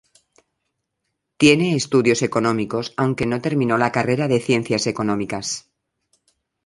Tiene estudios económicos, aunque no terminó la carrera de Ciencias Económicas.